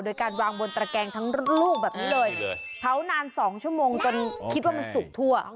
โดยการวางบนตระแกงทั้งลูกแบบนี้เลยเผานาน๒ชั่วโมงจนคิดว่ามันสุกทั่ว